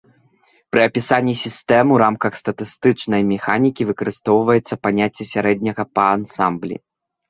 Пры апісанні сістэм у рамках статыстычнай механікі выкарыстоўваецца паняцце сярэдняга па ансамблі.